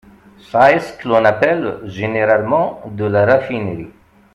Ca est ce que l’on appelle généralement de la raffinerie.